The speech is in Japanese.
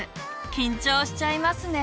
緊張しちゃいますね。